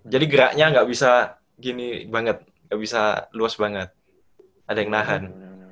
jadi geraknya gak bisa gini banget gak bisa luas banget ada yang nahan